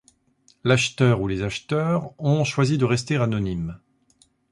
L'acheteur ou les acheteurs ont choisi de rester anonymes.